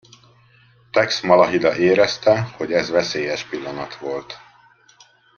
Tex Malahida érezte, hogy ez veszélyes pillanat volt.